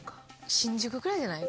新宿くらいじゃない？